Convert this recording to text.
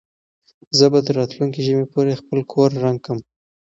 زه به تر راتلونکي ژمي پورې خپل کور رنګ کړم.